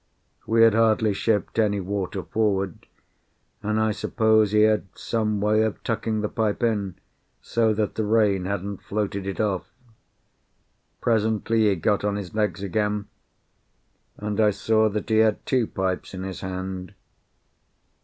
We had hardly shipped any water forward, and I suppose he had some way of tucking the pipe in, so that the rain hadn't floated it off. Presently he got on his legs again, and I saw that he had two pipes in his hand.